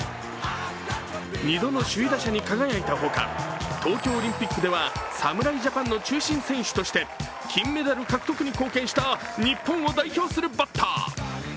２度の首位打者に輝いた他、東京オリンピックでは侍ジャパンの中心選手として金メダル獲得に貢献した日本を代表するバッター。